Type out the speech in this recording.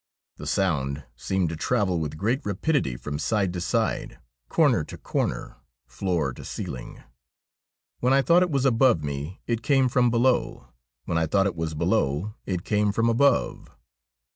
The sound seemed to travel with great rapidity from side to side, corner to corner, floor to ceiling. When I thought it was above me it came from below ; when I thought it was below it came from above.